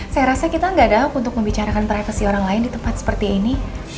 saya rasa kita tidak dapat untuk membicarakan privasi orang lain di tempat seperti ini